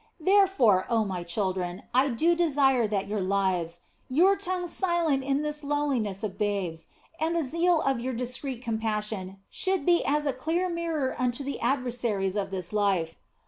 Therefore, oh my children, I do desire that your lives, your tongues silent in this lowliness of babes, and the zeal of your discreet compassion should be as a clear mirror unto the adversaries of this life.